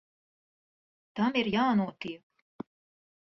Tam ir jānotiek.